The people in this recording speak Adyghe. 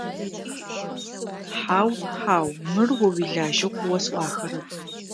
Хьау, хьау, мыр о уилажьэу къыосӀуахэрэп.